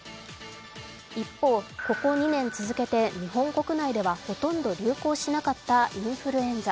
一方、ここ２年続けて日本国内ではほとんど流行しなかったインフルエンザ。